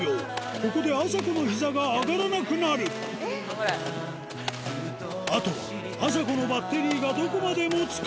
ここであさこの膝が上がらなくなるあとはあさこのバッテリーがどこまで持つか？